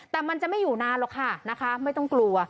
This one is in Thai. แต่มันจะไม่อยู่นานหรอกค่ะนะคะไม่ต้องกลัว